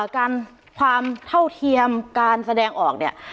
ความเท่าเทียมการแสดงออกเนี่ย